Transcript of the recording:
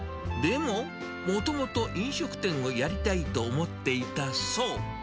でも、もともと飲食店をやりたいと思っていたそう。